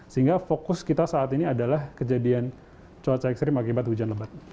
sehingga fokus kita saat ini adalah kejadian cuaca ekstrim akibat hujan lebat